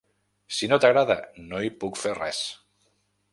Si no t'agrada, no hi puc fer res.